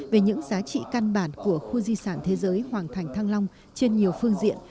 về những giá trị căn bản của khu di sản thế giới hoàng thành thăng long trên nhiều phương diện